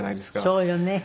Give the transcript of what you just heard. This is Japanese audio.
そうよね。